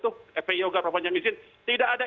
tuh fpi ogah berapa panjang izin tidak ada